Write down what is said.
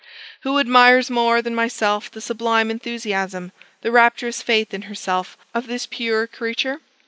Who admires more than myself the sublime enthusiasm, the rapturous faith in herself, of this pure creature?